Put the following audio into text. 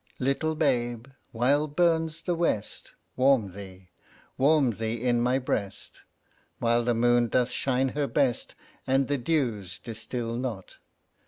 Little babe, while burns the west, Warm thee, warm thee in my breast; While the moon doth shine her best, And the dews distil not.